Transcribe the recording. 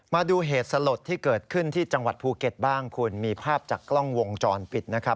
มาดูเหตุสลดที่เกิดขึ้นที่จังหวัดภูเก็ตบ้างคุณมีภาพจากกล้องวงจรปิดนะครับ